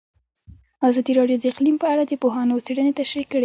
ازادي راډیو د اقلیم په اړه د پوهانو څېړنې تشریح کړې.